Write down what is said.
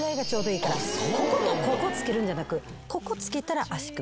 こことここつけるんじゃなくここつけたら足首。